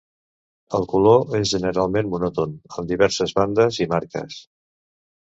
El color és generalment monòton, amb diverses bandes i marques.